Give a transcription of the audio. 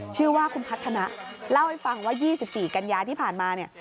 ชื่อว่าคุณพัฒนะเล่าให้ฟังว่า๒๔กันยาที่ผ่านมาเนี่ย